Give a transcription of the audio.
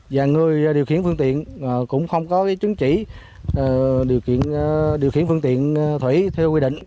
và người điều khiển phương tiện cũng không có chứng chỉ điều khiển phương tiện thủy theo quy định